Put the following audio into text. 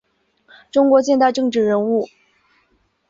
中国近代政治人物。